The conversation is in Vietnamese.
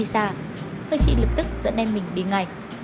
cô chị lập tức dẫn em mình đi ngành